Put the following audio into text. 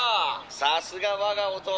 さすが我が弟。